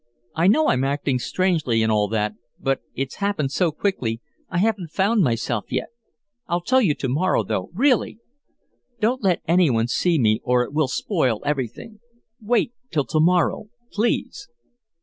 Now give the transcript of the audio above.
I know I'm acting strangely and all that, but it's happened so quickly I haven't found myself yet. I'll tell you to morrow, though, really. Don't let any one see me or it will spoil everything. Wait till to morrow, please."